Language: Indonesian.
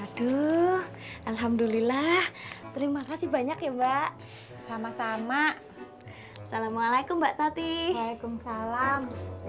aduh alhamdulillah terima kasih banyak ya mbak sama sama assalamualaikum mbak tati waalaikumsalam